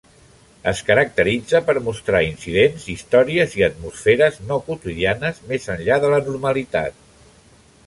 Es caracteritza per mostrar incidents, històries i atmosferes no quotidianes, més enllà de la normalitat.